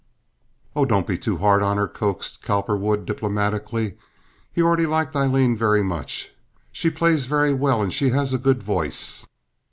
"Oh, don't be too hard on her," coaxed Cowperwood diplomatically. He already liked Aileen very much. "She plays very well, and she has a good voice."